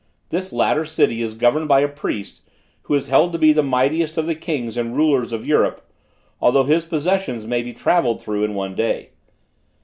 This latter city is governed by a priest, who is held to be the mightiest of the kings and rulers of Europe, although his possessions may be travelled through in one day.